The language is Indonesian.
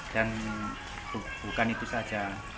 dan bukan itu saja